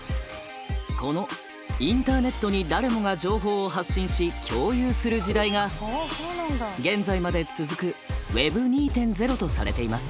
このインターネットに誰もが情報を発信し共有する時代が現在まで続く